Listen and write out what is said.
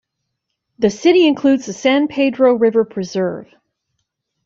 The city includes the San Pedro River Preserve.